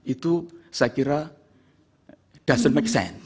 itu saya kira doesn t make sense